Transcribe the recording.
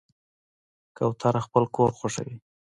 کوتره خپل کور خوښوي.